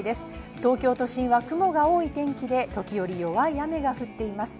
東京都心は雲が多い天気で時折弱い雨が降っています。